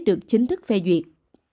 được chính thức phê duyệt